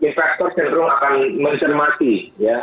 investor cenderung akan mencermati ya